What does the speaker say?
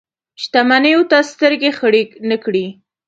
شتمنیو ته سترګې خړې نه کړي.